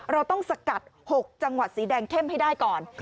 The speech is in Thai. เราต้องสกัด๖จังหวัดสีแดงเข้มให้ได้ก่อน